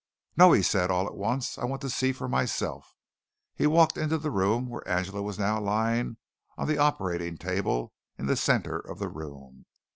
"No," he said all at once, "I want to see for myself." He walked into the room where Angela was now lying on the operating table in the centre of the room.